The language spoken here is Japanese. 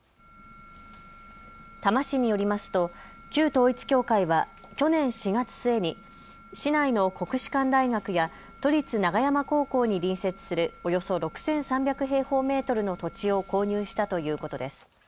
多摩市によりますと旧統一教会は去年４月末に市内の国士舘大学や都立永山高校に隣接するおよそ６３００平方メートルの土地を購入したということです。